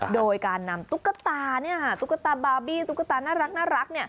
โดยการนำตุ๊กตาบาร์บี้น้ารัก